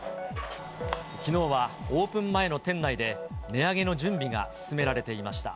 きのうはオープン前の店内で、値上げの準備が進められていました。